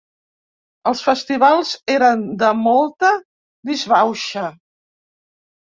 Els festivals eren de molta disbauxa.